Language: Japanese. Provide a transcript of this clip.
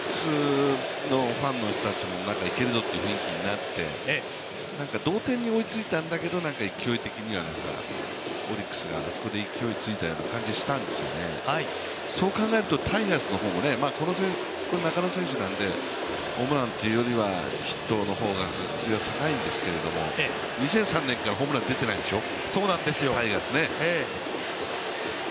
ファンの人たちもいけるぞっていう雰囲気になって同点に追いついたんだけど、勢い的にはオリックスがあそこで勢いついたような感じがしたんですよね、そういう意味で言うとタイガースの方も中野選手なんで、ホームランというよりはヒットの方が非常に高いんですけど２００３年からホームラン出てないでしょ、タイガースね。